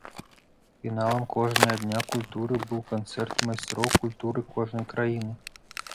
Фіналам кожнага дня культуры быў канцэрт майстроў культуры кожнай краіны.